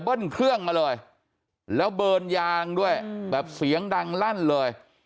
เครื่องมาเลยแล้วเบิร์นยางด้วยแบบเสียงดังลั่นเลย